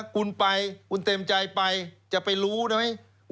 คุณไปคุณเต็มใจไปจะไปรู้ได้ไหม